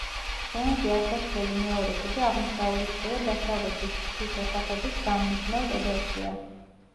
სხვენზე ასასვლელი მეორე კიბე აღმოსავლეთისა და დასავლეთის ფრთის ოთახების გამმიჯნავ კედელშია.